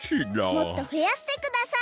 もっとふやしてください。